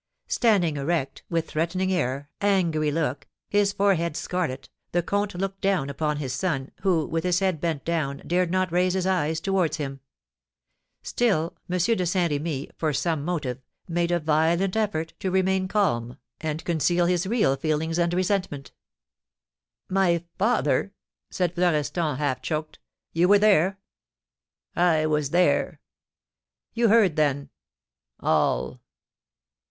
Standing erect, with threatening air, angry look, his forehead scarlet, the comte looked down upon his son, who, with his head bent down, dared not raise his eyes towards him. Still, M. de Saint Remy, for some motive, made a violent effort to remain calm, and conceal his real feelings and resentment. "My father!" said Florestan, half choked. "You were there?" "I was there." "You heard, then?" "All!"